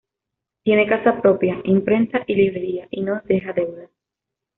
Tiene casa propia, imprenta y librería y no deja deudas.